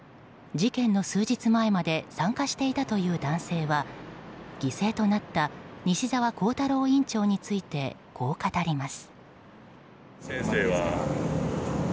事件の数日前まで参加していたという男性は犠牲となった西沢弘太郎院長についてこう語ります。